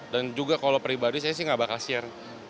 dan juga kalau pribadi saya sih nggak bakal share